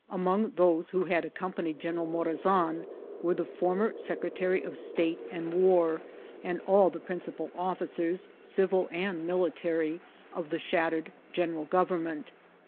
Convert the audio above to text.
Among those who had ac companied General Morazan were the former secre tary of state and war, and all the principal officers, civil and military, of the shattered general government.